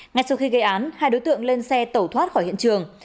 ngay sau khi gây án hai đối tượng lên xe tẩu thoát khỏi hiện trường